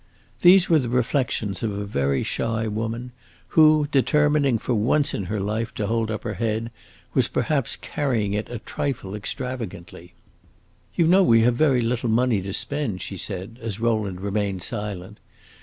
These were the reflections of a very shy woman, who, determining for once in her life to hold up her head, was perhaps carrying it a trifle extravagantly. "You know we have very little money to spend," she said, as Rowland remained silent.